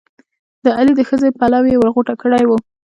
د علي د ښځې پلو یې ور غوټه کړی وو.